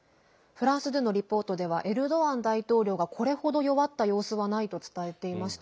フランス２のリポートではエルドアン大統領がこれ程、弱った様子はないと伝えていました。